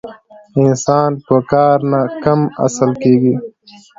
انسان په کار نه کم اصل کېږي.